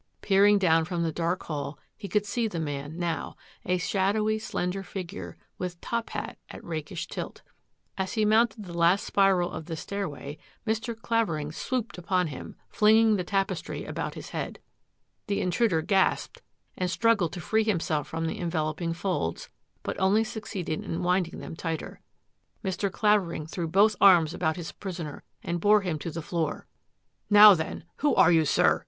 Peering down from the dark hall, he could see the man now, a shadowy, slender figure, with top hat at rakish tilt. As he mounted the last spiral of the stairway, Mr. Clavering swooped upon him, flinging the tap estry about his head. The intruder gasped and struggled to free himself from the enveloping folds, but only succeeded in winding them the tighter. Mr. Clavering threw both arms about his prisoner and bore him to the floor. " Now, then, who are you, sir?